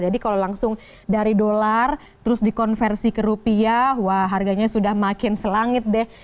jadi kalau langsung dari dolar terus dikonversi ke rupiah wah harganya sudah makin selangit deh